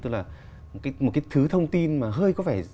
tức là một cái thứ thông tin mà hơi có vẻ